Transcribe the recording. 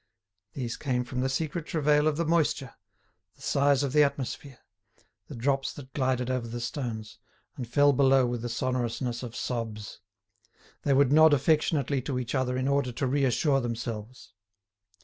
These came from the secret travail of the moisture, the sighs of the atmosphere, the drops that glided over the stones, and fell below with the sonorousness of sobs. They would nod affectionately to each other in order to reassure themselves.